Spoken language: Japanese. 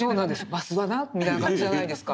「わスはな」みたいな感じじゃないですか。